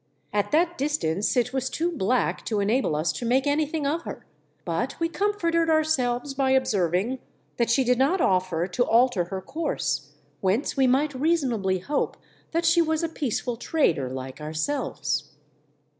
At that distance it was too black to enable us to make anything of" her, but we com forted ourselves by observing that she did not offer to alter her course, whence we might reasonably hope that she was a peace ful trader like ourselves.